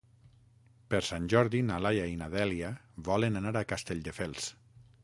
Per Sant Jordi na Laia i na Dèlia volen anar a Castelldefels.